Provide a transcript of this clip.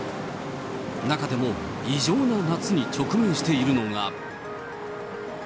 中でも、異常な夏に直面しているのが。